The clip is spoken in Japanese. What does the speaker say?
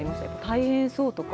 大変そうとか。